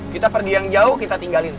kita pergi yang jauh kita tinggalin